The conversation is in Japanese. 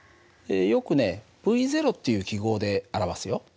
よくねυっていう記号で表すよ。